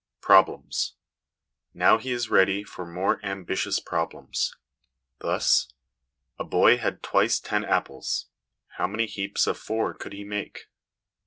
Problems. Now he is ready for more ambitious problems : thus, * A boy had twice ten apples ; how many heaps of 4 could he make